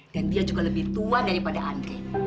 dan dia juga lebih tua daripada andri